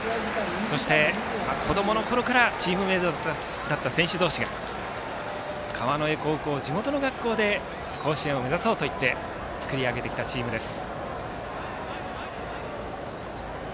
そして、子どものころからチームメートだった選手同士が川之江高校、地元の学校で甲子園を目指そうと言って作り上げてきたチームです。